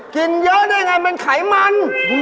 กินเยอะได้อย่างไรมันไขมัน